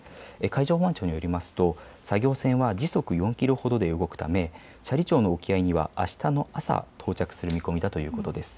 海上保安庁によりますと作業船は時速４キロほどで動くため斜里町の沖合にはあしたの朝到着する見込みだということです。